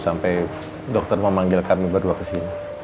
sampai dokter memanggil kami berdua kesini